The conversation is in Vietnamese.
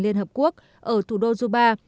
liên hợp quốc ở thủ đô zuba